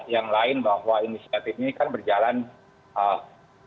yang lain bahwa inisiatif ini kan berjalan